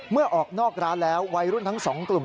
เมื่อออกนอกร้านแล้ววัยรุ่นทั้ง๒กลุ่ม